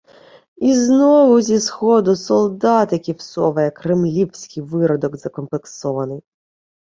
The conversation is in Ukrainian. І знову зі сходу солдатиків соває кремлівський виродок закомплексований.